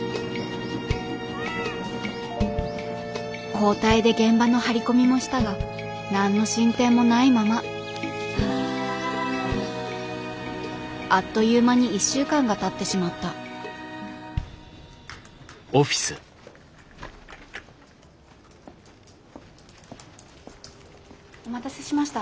交代で現場の張り込みもしたが何の進展もないままあっという間に１週間がたってしまったお待たせしました。